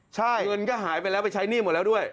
ใช่เงินก็หายไปแล้วไปใช้หนี้หมดแล้วด้วย